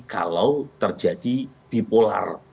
kalau terjadi bipolar